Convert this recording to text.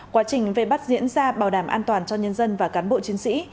quá trình vây bắt diễn ra bảo đảm an toàn cho nhân dân và cán bộ chiến sĩ